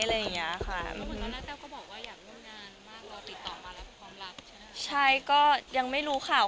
แล้วเถ้ารู้จักกันแค่เปิดเรื่องเลย